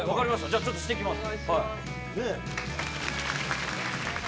じゃあちょっとしてきます。